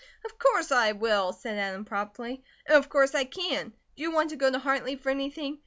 "Of course I will," said Adam promptly. "And of course I can. Do you want to go to Hartley for anything?